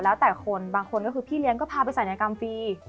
แล้วแต่คนบางคนก็คือพี่เลี้ยงก็พาไปศัลยกรรมฟรี